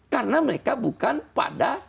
karena mereka bukan pada